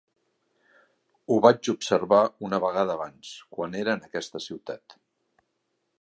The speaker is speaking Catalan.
Ho vaig observar una vegada abans, quan era en aquesta ciutat.